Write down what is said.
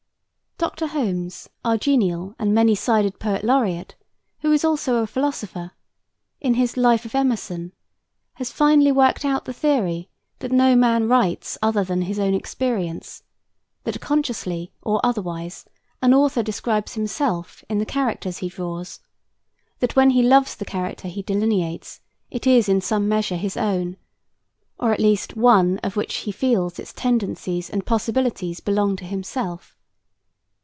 Dr. Holmes, our genial and many sided poet laureate, who is also a philosopher, in his "Life of Emerson," has finely worked out the theory that no man writes other than his own experience: that consciously or otherwise an author describes himself in the characters he draws; that when he loves the character he delineates, it is in some measure his own, or at least one of which he feels its tendencies and possibilities belong to himself.